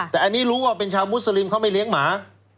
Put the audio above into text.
แต่อันนี้รู้ว่าเป็นชาวมุสลิมเขาไม่เลี้ยงหมา